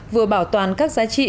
vừa bảo toàn các giá trị